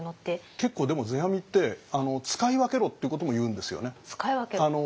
結構でも世阿弥って使い分けろってことも言うんですよね。